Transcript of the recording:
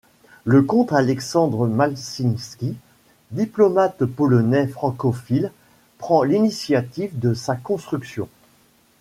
Le comte Alexandre Maszyński, diplomate polonais francophile, prend l'initiative de sa construction.